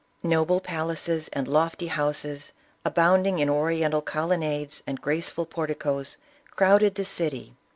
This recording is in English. No ble palaces and lofty houses, abounding in Oriental colonnades and graceful porticoes, crowded the city.